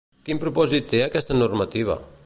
Quin propòsit té aquesta normativa?